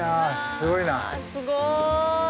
すごい。